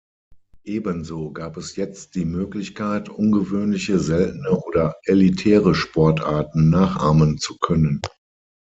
Ebenso gab es jetzt die Möglichkeit, ungewöhnliche, seltene oder elitäre Sportarten nachahmen zu können.